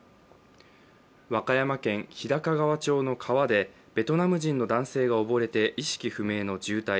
和歌山県日高川町の川でベトナム人の男性が溺れて、意識不明の重体。